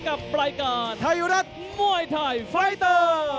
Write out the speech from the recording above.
กับประการไทยอยู่ด้านมวยไทยไฟเตอร์